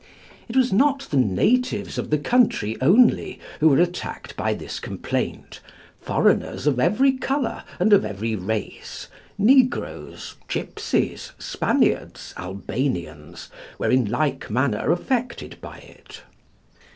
It was not the natives of the country only who were attacked by this complaint. Foreigners of every colour and of every race, negroes, gipsies, Spaniards, Albanians, were in like manner affected by it.